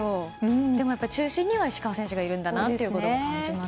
でも中心には石川選手がいるんだなと感じます。